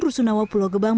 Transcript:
rusunawa pulau gebang